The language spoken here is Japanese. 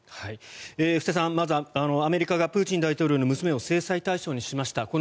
布施さん、まずアメリカがプーチン大統領の娘を制裁対象にしました。